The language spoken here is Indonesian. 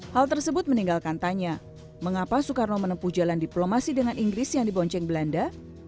hal tersebut meninggalkan tanya mengapa soekarno menempuh jalan diplomasi dengan inggris yang dibonceng belanda